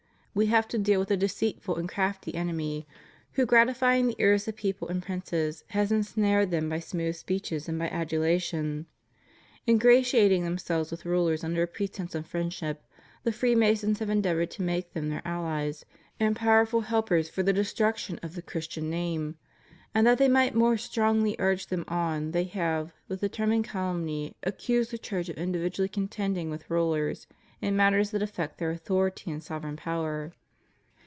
We have to deal with a deceitful and crafty enemy, who, gratifying the ears of people and of princes, has ensnared them by smooth speeches and by adulation. Ingratiating themselves with rulers under a pretence of friendship, the Freemasons have endeavored to make them their allies and powerful helpers for the destruction of the Christian name; and that they might more strongly urge them on, they have, with determined calumny, accused the Church of invidiously contending with rulers in matters that aflFect their authority and sovereign power.